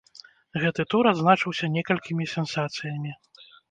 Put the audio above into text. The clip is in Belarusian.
Гэты тур адзначыўся некалькімі сенсацыямі.